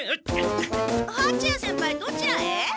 はちや先輩どちらへ？